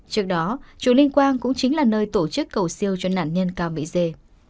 trước đó chùa linh quang cũng chính là nơi tổ chức cầu siêu cho nạn nhân cao mỹ dê